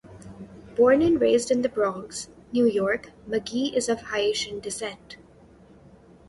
Born and raised in The Bronx, New York, McGee is of Haitian descent.